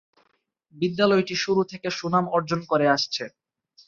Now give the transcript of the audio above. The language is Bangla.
বিদ্যালয়টি শুরু থেকে সুনাম অর্জন করে আসছে।